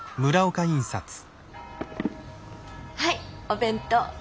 はいお弁当。